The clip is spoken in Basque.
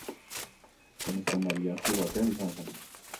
Lehen eztanda billar klub batean izan zen.